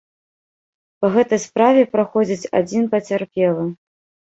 Па гэтай справе праходзіць адзін пацярпелы.